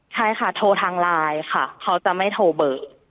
ใช่ค่ะโทรทางไลน์ค่ะเขาจะไม่โทรเบอร์